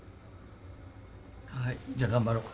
じゃあ頑張ろう。